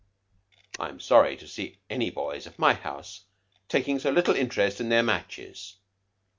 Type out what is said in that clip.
"I'm sorry to see any boys of my house taking so little interest in their matches."